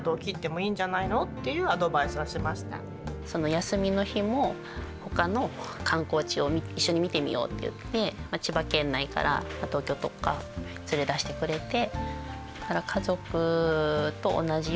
休みの日もほかの観光地を一緒に見てみようって言って千葉県内から東京とか連れ出してくれて。